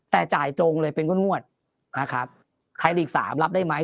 แต่จ่ายตรงเลยเป็นงวดนะครับไทยลีกสามรับได้ไหม